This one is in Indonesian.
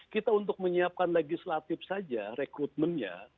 kita untuk menyiapkan lagi selatif saja rekrutmennya